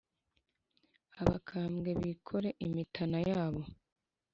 Abakambwe bikore imitana yabo